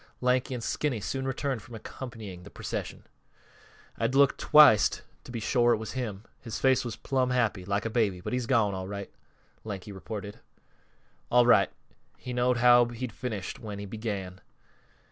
Lanky and Skinny soon returned from accompanying the procession. "I had to look twict to be shore it was him. His face was plumb happy, like a baby. But he's gone, all right," Lanky reported. "All right he knowed how he'd finish when he began.